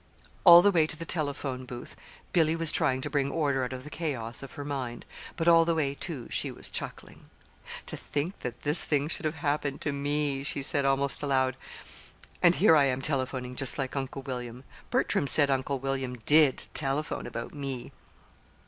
All the way to the telephone booth Billy was trying to bring order out of the chaos of her mind; but all the way, too, she was chuckling. "To think that this thing should have happened to me!" she said, almost aloud. "And here I am telephoning just like Uncle William Bertram said Uncle William did telephone about _me!